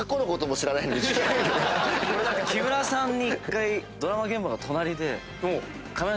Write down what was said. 木村さんに１回ドラマ現場が隣で。